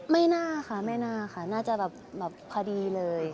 ไม่น่าค่ะไม่น่าค่ะน่าจะแบบพอดีเลย